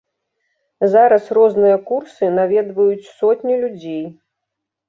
Зараз розныя курсы наведваюць сотні людзей.